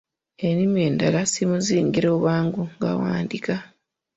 Ennimi endala zimusingira obwangu ng’awandiika.